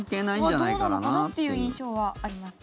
どうなのかなっていう印象はあります。